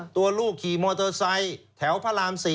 ตัวลูกขี่มอเตอร์ไซค์แถวพระราม๔